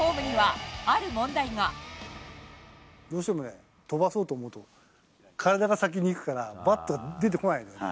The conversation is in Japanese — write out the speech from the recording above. どうしてもね、飛ばそうと思うと、体が先に行くから、バットが出てこない。